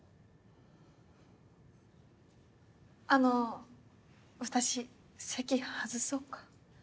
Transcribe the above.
あの私席外そうか？